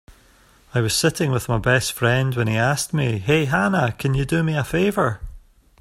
I was sitting with my best friend when he asked me, "Hey Hannah, can you do me a favor?"